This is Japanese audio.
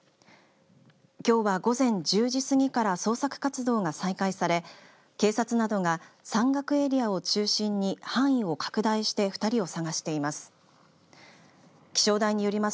きょうは午前１０時過ぎから捜索活動が再開され警察などが山岳エリアを中心に範囲を拡大して２人を探しています。